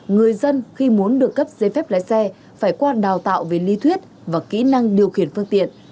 người dân khi muốn được cấp giấy phép lái xe phải qua đào tạo về lý thuyết và kỹ năng điều khiển phương tiện